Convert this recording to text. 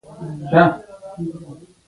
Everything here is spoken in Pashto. پر احساساتو طی کړای شول.